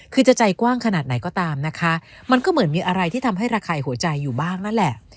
คือจะใจกว้างขนาดไหนก็ตามนะคะมันก็เหมือนมีอะไรที่ทำให้ระคายหัวใจอยู่บ้างนั่นแหละ